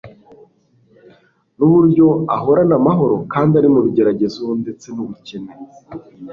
n'uburyo ahorana amahoro kandi ari mu bigeragezo ndetse n'ubukene.